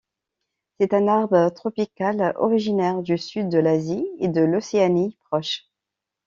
C'est un arbre tropical originaire du sud de l'Asie et de l'Océanie proche.